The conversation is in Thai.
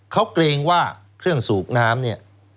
เขาเกรงว่าเครื่องสูบน้ำเนี่ย